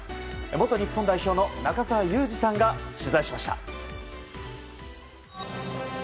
元日本代表の中澤佑二さんが取材しました。